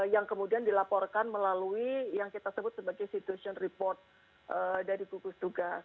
yang kemudian dilaporkan melalui yang kita sebut sebagai situation report dari gugus tugas